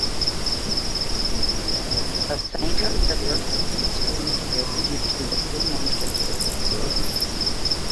The Sangha River is formed here due to the aforementioned rivers.